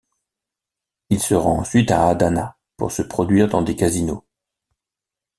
Il se rend ensuite à Adana pour se produire dans des casinos.